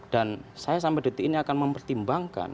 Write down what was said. dan saya sampai detik ini akan mempertimbangkan